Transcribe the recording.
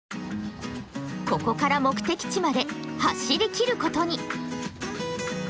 ここから目的地まで走りきることに。